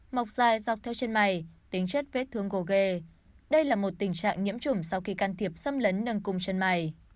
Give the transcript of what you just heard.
mọc dài dọc theo chân mày tính chất vết thương gồ ghê đây là một tình trạng nhiễm chủm sau khi can thiệp xâm lấn nâng cung chân mày